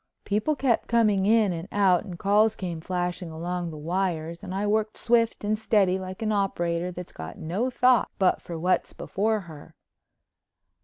People kept coming in and out and calls came flashing along the wires and I worked swift and steady like an operator that's got no thought but for what's before her.